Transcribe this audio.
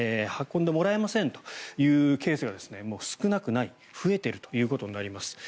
運んでもらえませんというケースが少なくない増えているということになります。